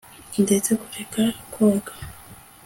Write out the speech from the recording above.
ndetse kureka koga